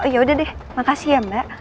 ya udah deh makasih ya mbak